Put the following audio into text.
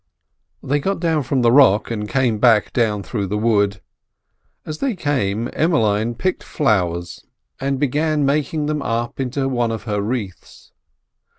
They got down from the rock, and came back down through the wood. As they came Emmeline picked flowers and began making them up into one of her wreaths.